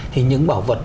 thì những bảo vật